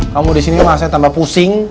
kamu disini mah saya tambah pusing